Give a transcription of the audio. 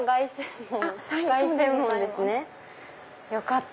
よかった！